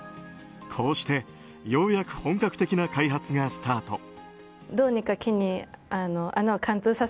こうして、ようやく本格的な開発がスタート。